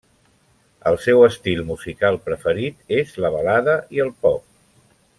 El seu estil musical preferit és la balada i el pop.